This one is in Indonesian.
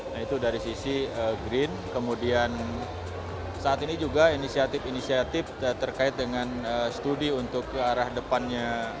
nah itu dari sisi green kemudian saat ini juga inisiatif inisiatif terkait dengan studi untuk ke arah depannya